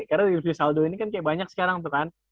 karena dirijen saldo ini kan kayak banyak sekarang tuh kan